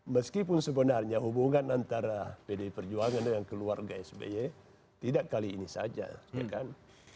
meskipun sebenarnya hubungan antara pdi perjuangan dengan keluarga sby tidak kali ini saja ya kan